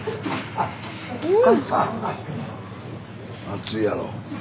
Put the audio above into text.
熱いやろ。